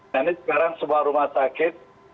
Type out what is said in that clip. nah ini sekarang sebuah rumah sakit